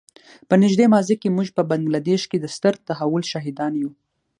په نږدې ماضي کې موږ په بنګله دېش کې د ستر تحول شاهدان یو.